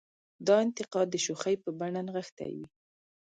دا انتقاد د شوخۍ په بڼه نغښتې وي.